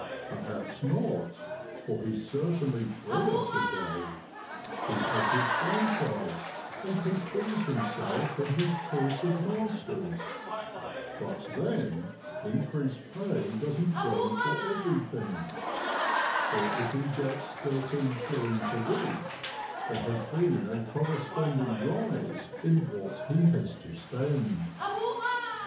Perhaps not, for he's certainly freer to day ; he has his franchise, and can please himself in his choice of masters but then, increased pay doesn't go for everything for if he gets thirteen shillings a week, there has been a corres ponding rise in what he has to spend.